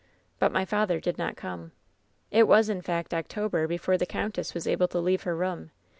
*^nt my father did not come. ^^t wasy in fact, October before the conntess was able to leave her room.